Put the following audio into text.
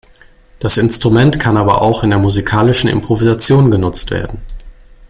Das Instrument kann aber auch in der musikalischen Improvisation genutzt werden.